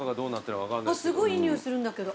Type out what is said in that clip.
すごいいい匂いするんだけど。